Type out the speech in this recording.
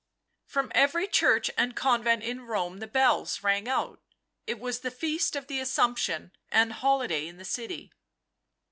From every church and convent in Rome the bells rang out; it was the Feast of the Assumption and holiday in the city.